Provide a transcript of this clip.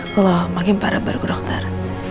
kalau makin parah baru ke dokter